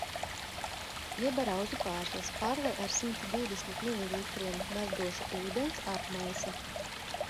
Ieber auzu pārslas, pārlej ar simt divdesmit mililitriem verdoša ūdens, apmaisa.